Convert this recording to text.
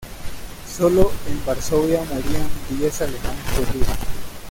Solo en Varsovia morían diez alemanes por día.